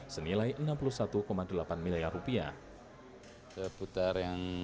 senilai rp enam puluh satu delapan miliar